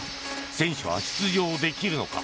選手は出場できるのか。